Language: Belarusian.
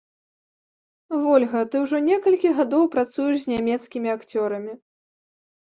Вольга, ты ўжо некалькі гадоў працуеш з нямецкімі акцёрамі.